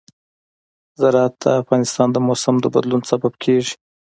زراعت د افغانستان د موسم د بدلون سبب کېږي.